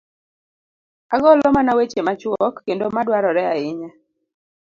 ogolo mana weche machuok kendo ma dwarore ahinya.